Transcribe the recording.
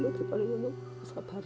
setiap malam sholat